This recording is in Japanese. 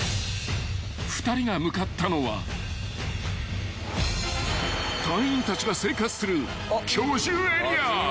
［２人が向かったのは隊員たちが生活する居住エリア］